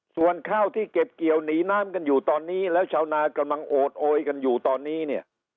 ส่วนข้าวที่เก็บเกี่ยวหนีน้ำกันอยู่ตอนนี้แล้วชาวนากำลังโอดโอยกันอยู่ตอนนี้เนี่ย